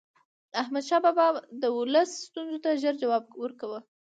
احمد شاه بابا به د ولس ستونزو ته ژر جواب ورکاوه.